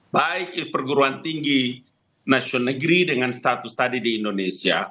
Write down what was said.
baik perguruan tinggi nasional negeri dengan status tadi di indonesia